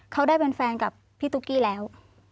เขาได้เป็นแฟนกับพี่ตุ๊กกี้แล้ว